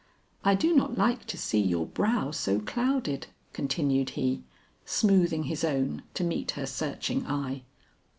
"I do not like to see your brow so clouded," continued he, smoothing his own to meet her searching eye.